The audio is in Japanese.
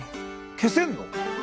消せんの？